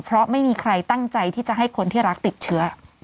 เพราะไม่มีใครตั้งใจที่จะให้คนที่รักติดเชื้อ